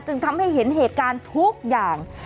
ทำให้เห็นเหตุการณ์ทุกอย่าง